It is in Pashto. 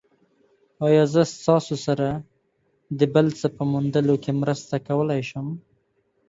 ایا زه تاسو سره د بل څه په موندلو کې مرسته کولی شم؟